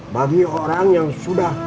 bagi orang yang sudah